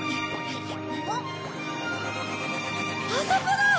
あそこだ！